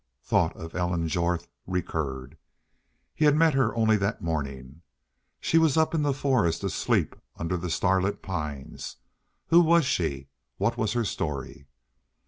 Thought of Ellen Jorth recurred. Had he met her only that morning? She was up there in the forest, asleep under the starlit pines. Who was she? What was her story?